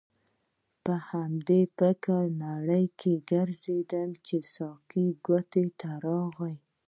په همدې فکرې نړۍ کې ګرځیدم چې ساقي کوټې ته راغی.